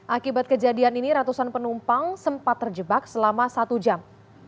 akibat kejadian ini ratusan penumpang sempat terjebak selama satu jam